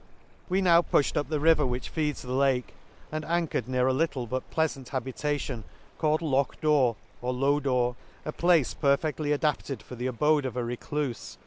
—We now pufhed up the river which feeds the Lake, and anchored near a little but pjeafant habitation, called Loch door, or Lodore ; a place per fectly adapted for the abode of a reclufe, and the Lakes.